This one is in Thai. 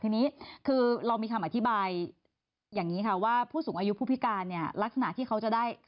ที่นี่คือเรามีคำอธิบายว่าผู้สูงอายุผู้พิการลักษณะที่เขาจะได้